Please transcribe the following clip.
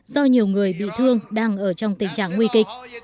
do nhiều người bị thương đang ở trong tình trạng nguy kịch